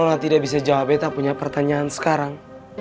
nona tidak bisa jawab beta punya pertanyaan sekarang